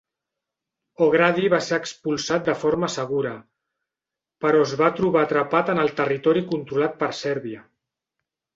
O'Grady va ser expulsat de forma segura, però es va trobar atrapat en el territori controlat per Sèrbia.